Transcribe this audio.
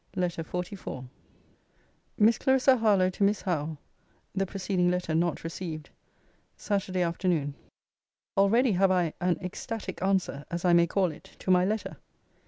LETTER XLIV MISS CLARISSA HARLOWE, TO MISS HOWE [THE PRECEDING LETTER NOT RECEIVED.] SATURDAY AFTERNOON. Already have I an ecstatic answer, as I may call it, to my letter.